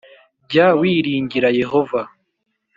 jya wiringira Yehova.